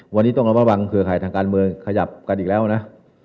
วันนี้ต้องระมัดระวังเครือข่ายทางการเมืองขยับกันอีกแล้วนะ